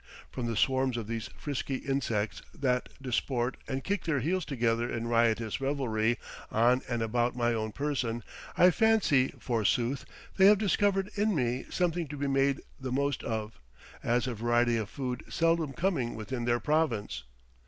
From the swarms of these frisky insects that disport and kick their heels together in riotous revelry on and about my own person, I fancy, forsooth, they have discovered in me something to be made the most of, as a variety of food seldom coming within their province.